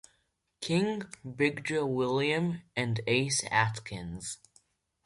King, Big Joe Williams, and Ace Atkins.